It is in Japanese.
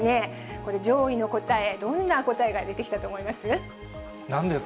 これ、上位の答え、どんな答えが出てきたと思います？